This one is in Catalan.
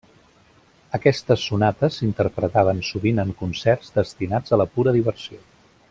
Aquestes sonates s'interpretaven sovint en concerts destinats a la pura diversió.